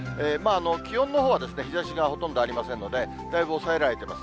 気温のほうは日ざしがほとんどありませんので、だいぶ抑えられてます。